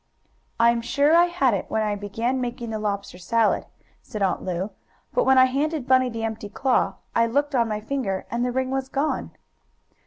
"I'm sure I had it, when I began making the lobster salad," said Aunt Lu, "but when I handed Bunny the empty claw I looked on my finger, and the ring was gone."